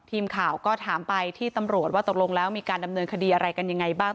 ทีมข่าวก็ถามไปที่ตำรวจว่าตกลงแล้วมีการดำเนินคดีอะไรกันยังไงบ้าง